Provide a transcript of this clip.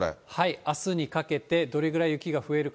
あすにかけて、どれぐらい雪が増えるか。